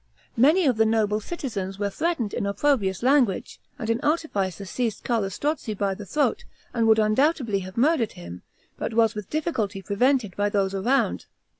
Many of the noble citizens were threatened in opprobrious language; and an artificer seized Carlo Strozzi by the throat, and would undoubtedly have murdered him, but was with difficulty prevented by those around.